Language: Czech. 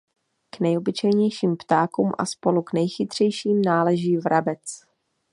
K nejobyčejnějším ptákům a spolu k nejchytřejším náleží vrabec.